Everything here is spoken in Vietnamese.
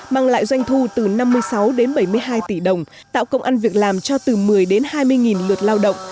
mang lại doanh thu từ năm mươi sáu đến bảy mươi hai tỷ đồng tạo công ăn việc làm cho từ một mươi đến hai mươi lượt lao động